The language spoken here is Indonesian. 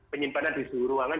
penyimpanan di suhu ruangan